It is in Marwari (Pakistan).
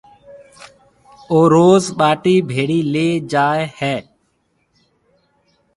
او زور ٻاٽِي ڀيڙِي لي جائي هيَ۔